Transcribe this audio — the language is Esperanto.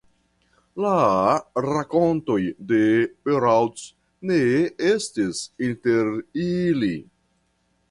La rakontoj de Perault ne estis inter ili.